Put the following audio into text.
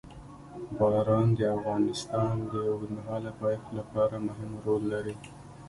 باران د افغانستان د اوږدمهاله پایښت لپاره مهم رول لري.